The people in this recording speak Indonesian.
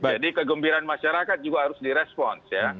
jadi kegembiraan masyarakat juga harus di response